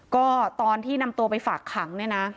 ก็ตอนที่นำตัวไปฝากขังเนี่ยนะ